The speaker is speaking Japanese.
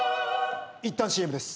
いったんＣＭです。